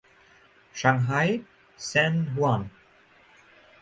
Shanghai Shenhua